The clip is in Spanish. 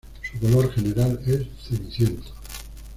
Su color general es ceniciento.